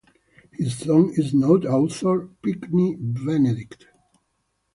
His son is noted author Pinckney Benedict.